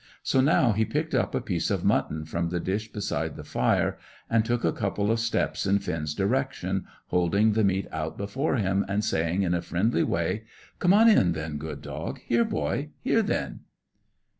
So now he picked up a piece of mutton from the dish beside the fire, and took a couple of steps in Finn's direction, holding the meat out before him, and saying in a friendly way "Come on in, then, good dog! Here, boy! Here then!"